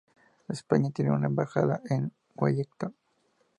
España tienen una embajada en Wellington.